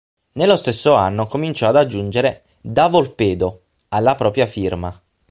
Nello stesso anno, cominciò ad aggiungere "da Volpedo" alla propria firma.